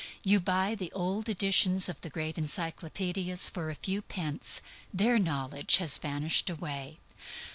You buy the old editions of the great encyclopædias for a few cents: their knowledge has vanished away.